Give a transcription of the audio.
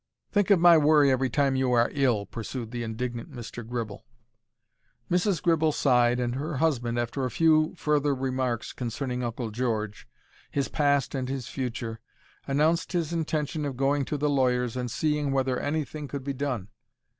"Think of my worry every time you are ill," pursued the indignant Mr. Gribble. Mrs. Gribble sighed, and her husband, after a few further remarks concerning Uncle George, his past and his future, announced his intention of going to the lawyers and seeing whether anything could be done.